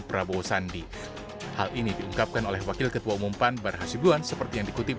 prabowo sandi hal ini diungkapkan oleh wakil ketua umum pan barhasibuan seperti yang dikutip